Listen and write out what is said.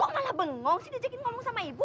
kok malah bengong sih dia jakin ngomong sama ibu